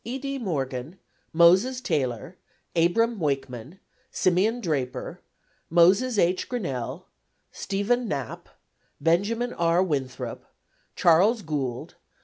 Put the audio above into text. E. D. Morgan, Moses Taylor, Abram Wakeman, Simeon Draper, Moses H. Grinnell, Stephen Knapp, Benjamin R. Winthrop, Charles Gould, Wm.